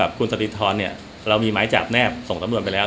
และคุณสตรีธรเนี่ยเรามีไม้จับแนบนี้ส่งเนื้อสมารวณไปแล้ว